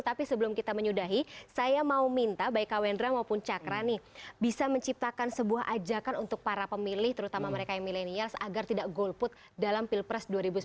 tapi sebelum kita menyudahi saya mau minta baik kak wendra maupun cakra nih bisa menciptakan sebuah ajakan untuk para pemilih terutama mereka yang milenial agar tidak golput dalam pilpres dua ribu sembilan belas